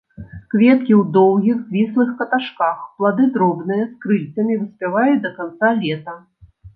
Кветкі ў доўгіх, звіслых каташках, плады дробныя, з крыльцамі, выспяваюць да канца лета.